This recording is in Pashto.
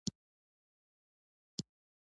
د ژبې فصاحت او بلاغت ډېر مهم دی.